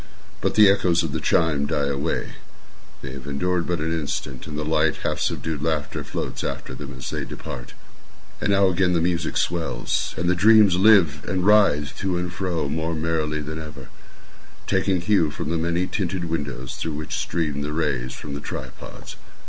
But the echoes of the chime die away—they have endured but an instant—and a light, half subdued laughter floats after them as they depart. And now again the music swells, and the dreams live, and writhe to and fro more merrily than ever, taking hue from the many tinted windows through which stream the rays from the tripods.